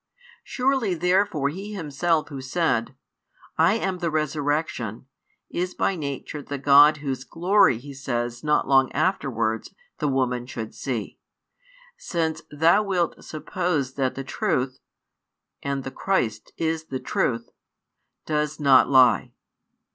Surely therefore He Himself Who said: I am the Resurrection, is by Nature the God Whose glory He says not long afterwards the woman should see, since Thou wilt suppose that the Truth and the Christ is the Truth does not lie.